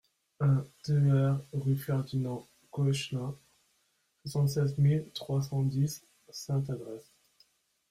un TER rue Ferdinand Koechlin, soixante-seize mille trois cent dix Sainte-Adresse